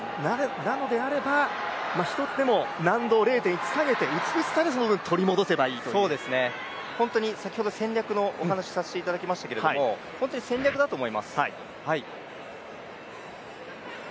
なのであれば、１つでも難度を０．１下げて美しさで先ほど戦略のお話をさせていただきましたけど本当に戦略だと思います。